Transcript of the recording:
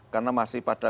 karena masih pada